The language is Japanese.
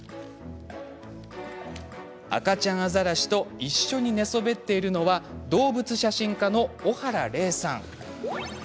赤ちゃんアザラシと一緒に寝そべっているのは動物写真家の小原玲さん。